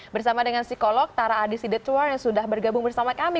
bersama dengan psikolog tara adi sidetuar yang sudah bergabung bersama kami